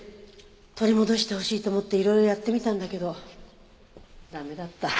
取り戻してほしいと思っていろいろやってみたんだけど駄目だった。